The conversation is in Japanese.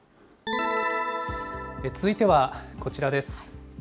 続いてはこちらです。